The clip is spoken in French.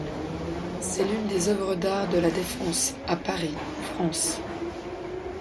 C'est l'une des œuvres d'art de la Défense, à Paris, France.